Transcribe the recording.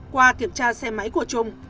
qua kiểm tra xe máy của trung